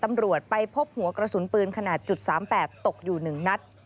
ทำรวจไปพบหัวกระสุนปืนขนาดจุดสามแปดตกอยู่หนึ่งนัด